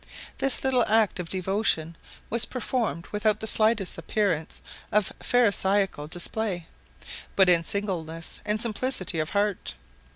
This little act of devotion was performed without the slightest appearance of pharisaical display, but in singleness and simplicity of heart.